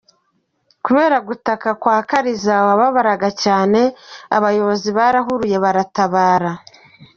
Kubera gutaka kwa Kariza wababaraga cyane, abayobozi barahuruye baratabara.